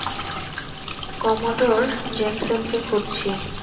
Commodore জেনসেনকে খুঁজছি।